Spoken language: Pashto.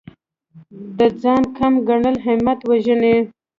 د ځان کم ګڼل همت وژني.